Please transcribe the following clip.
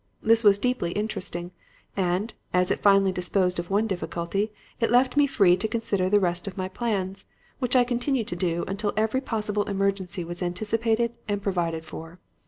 This was deeply interesting; and, as it finally disposed of one difficulty, it left me free to consider the rest of my plans, which I continued to do until every possible emergency was anticipated and provided for.